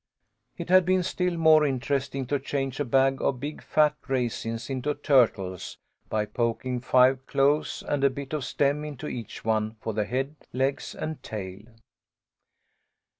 It had been still more interesting to change a bag of big fat raisins into turtles, by poking five cloves and a bit of stem into each one for the head, legs, and tail.